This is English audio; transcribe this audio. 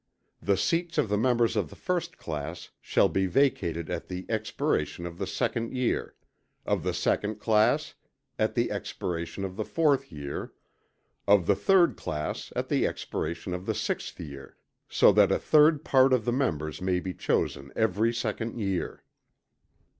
The seats of the members of the first class shall be vacated at the expiration of the second year, of the second class at the expiration of the fourth year, of the third class at the expiration of the sixth year, so that a third part of the members may be chosen every second year.